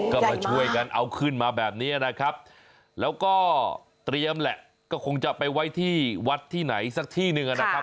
ก็มาช่วยกันเอาขึ้นมาแบบนี้นะครับแล้วก็เตรียมแหละก็คงจะไปไว้ที่วัดที่ไหนสักที่หนึ่งนะครับ